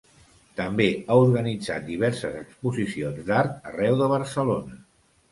També ha organitzat diverses exposicions d'art arreu de Barcelona.